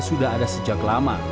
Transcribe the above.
sudah ada sejak lama